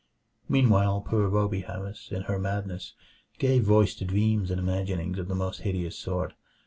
Meanwhile poor Rhoby Harris, in her madness, gave voice to dreams and imaginings of the most hideous sort.